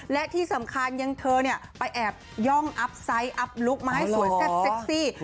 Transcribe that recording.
และที่สำคัญยังเธอไปแอบย่องอัพไซต์อัพลุคมาให้สวยแซ่บเซ็กซี่